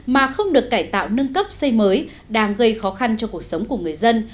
mà không được cải tạo nâng cấp xây mới đang gây khó khăn cho cuộc sống của người dân